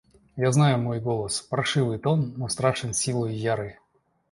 Я знаю мой голос: паршивый тон, но страшен силою ярой.